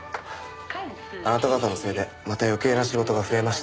あなた方のせいでまた余計な仕事が増えました。